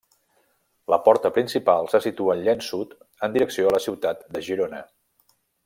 La porta principal se situa al llenç sud en direcció a la ciutat de Girona.